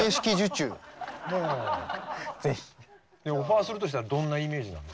オファーするとしたらどんなイメージなの？